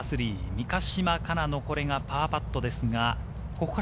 三ヶ島かなのパーパットです。